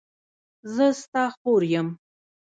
زه ستا خور یم.